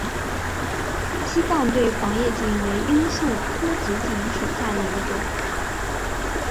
西藏对叶黄堇为罂粟科紫堇属下的一个种。